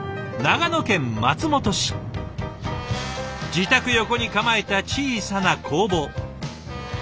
自宅横に構えた小さな工房。